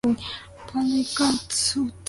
I Can’t Stand It!